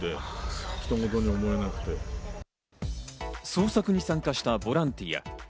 捜索に参加したボランティア。